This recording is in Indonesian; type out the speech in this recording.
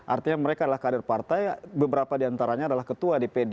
artinya mereka adalah kader partai beberapa diantaranya adalah ketua dpd